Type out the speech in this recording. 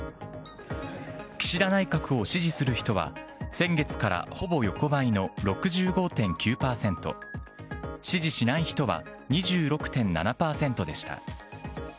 岸田内閣を支持する人は先月からほぼ横ばいの６５．９％、支持しない人は２６．７％でした。